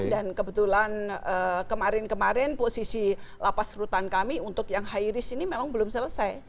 dan kebetulan kemarin kemarin posisi lapas rutan kami untuk yang hairis ini memang belum selesai